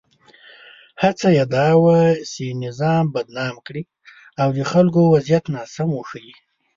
هڅه یې دا وه چې نظام بدنام کړي او د خلکو وضعیت ناسم وښيي.